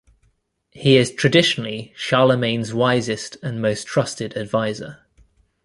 He is traditionally Charlemagne's wisest and most trusted advisor.